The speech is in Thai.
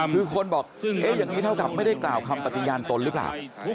คือคนบอกอย่างนี้เท่ากับไม่ได้กล่าวคำปฏิญาณตนหรือเปล่า